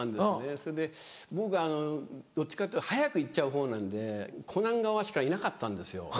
それで僕どっちかっていうと早く行っちゃうほうなんで『コナン』側しかいなかったんですよ。